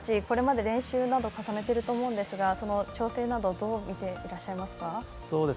これまで練習など重ねてると思うんですがその調整などどう見ていますか？